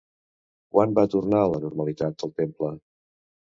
Quan va tornar a la normalitat el temple?